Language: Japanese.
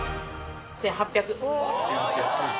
１８００円？